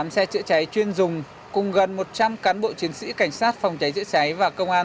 một mươi xe chữa cháy chuyên dùng cùng gần một trăm linh cán bộ chiến sĩ cảnh sát phòng cháy chữa cháy và công an